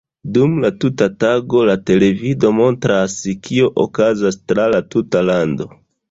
Dum la tuta tago la televido montras, kio okazas tra la tuta lando.